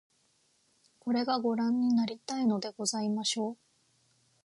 これが御覧になりたいのでございましょう